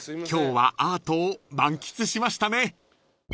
［今日はアートを満喫しましたね］